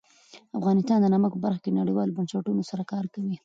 افغانستان د نمک په برخه کې نړیوالو بنسټونو سره کار کوي.